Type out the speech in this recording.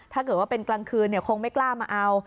ถ้าเกิดว่าเป็นกลางคืนคงไม่กล้ามาเอา